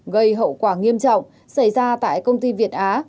gây hậu quả nghiêm trọng xảy ra tại công ty việt á